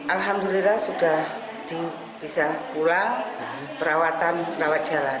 alhamdulillah sudah bisa pulang perawatan rawat jalan